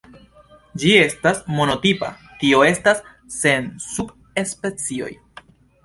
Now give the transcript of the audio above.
Ĝi estas monotipa, tio estas sen subspecioj.